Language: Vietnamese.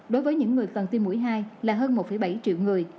đối với những người cần tiêm mũi hai là hơn một bảy triệu người